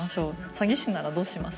詐欺師ならどうします？